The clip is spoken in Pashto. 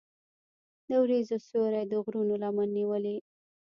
د وریځو سیوری د غرونو لمن نیولې.